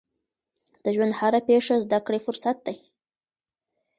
د ژوند هره پیښه زده کړې فرصت دی.